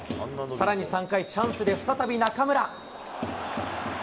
さらに３回、チャンスで再び中村。